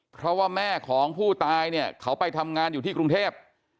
เพราะว่าแม่ของผู้ตายเนี่ยเขาไปทำงานอยู่ที่กรุงเทพ